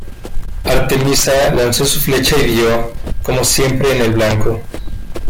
Artemisa lanzó su flecha y dio, como siempre, en el blanco.